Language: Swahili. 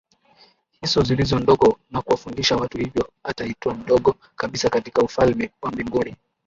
hizi zilizo ndogo na kuwafundisha watu hivyo ataitwa mdogo kabisa katika ufalme wa mbinguni